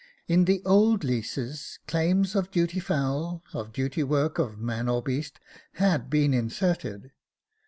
In the old leases claims of duty fowl, of duty work, of man or beast had been inserted.